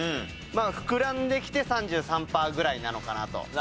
まあ膨らんできて３３パーぐらいなのかなと。